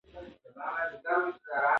هغوی به تر راتلونکي کاله پورې زده کړې خلاصوي.